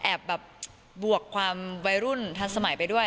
แบบบวกความวัยรุ่นทันสมัยไปด้วย